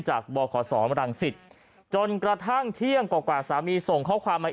บขสมรังสิตจนกระทั่งเที่ยงกว่าสามีส่งข้อความมา